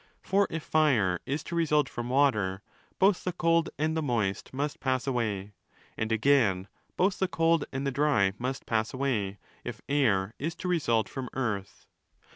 For if Fire is to result from Water, both the cold and the moist must pass away: and again, both the cold and the dry must pass away if Air is to result from Earth.